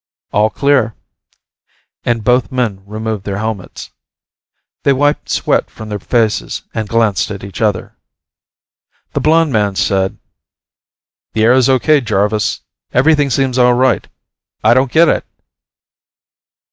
"All clear," and both men removed their helmets. They wiped sweat from their faces and glanced at each other. The blonde man said, "The air's okay, Jarvis. Everything seems all right. I don't get it."